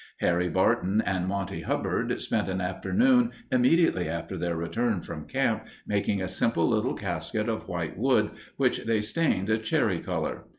Harry Barton and Monty Hubbard spent an afternoon, immediately after their return from camp, making a simple little casket of white wood which they stained a cherry color.